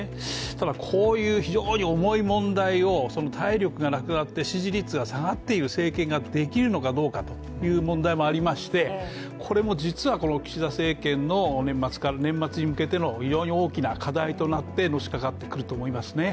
ただこういう非常に重い問題を体力がなくなって支持率が下がっている政権ができるのかどうかという問題もありまして、これも実は岸田政権の年末に向けての非常に大きな課題となってのしかかってくると思いますね。